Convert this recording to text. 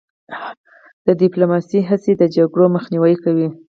د ډیپلوماسی هڅې د جګړو مخنیوی کوي.